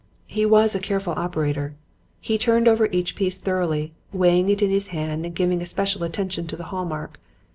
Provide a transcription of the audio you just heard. "He was a careful operator. He turned over each piece thoroughly, weighing it in his hand and giving especial attention to the hall mark.